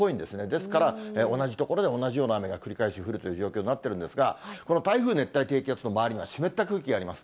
ですから、同じ所で同じような雨が繰り返し降るという状況になっているんですが、この台風、熱帯低気圧の周りには湿った空気があります。